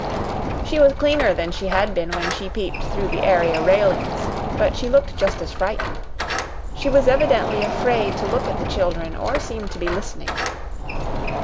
She was cleaner than she had been when she peeped through the area railings, but she looked just as frightened. She was evidently afraid to look at the children or seem to be listening.